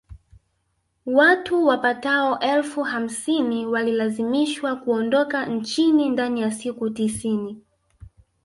Watu wapatao elfu hamsini walilazimishwa kuondoka nchini ndani ya siku tisini